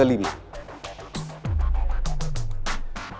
wustrum yang ke lima